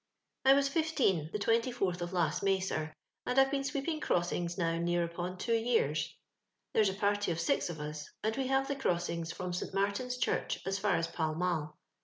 •' I was fifteen the 24th of lost May, sir, and I've been sweeping crossings now ncor upon two years. There's a party of six of us, and we have the crossings from St Martin's Church as far as Pall Moll.